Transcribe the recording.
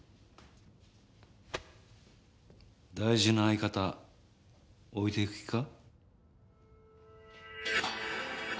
大事な相方置いていく気か？